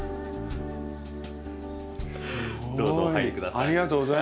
どうぞお入り下さい。